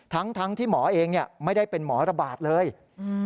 ทั้งทั้งที่หมอเองเนี้ยไม่ได้เป็นหมอระบาดเลยอืม